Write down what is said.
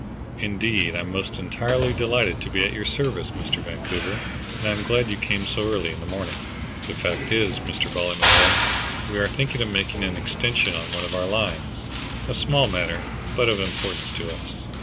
"Indeed, I'm most entirely delighted to be at your service, Mr. Vancouver, and I'm glad you came so early in the morning." "The fact is, Mr. Ballymolloy, we are thinking of making an extension on one of our lines; a small matter, but of importance to us."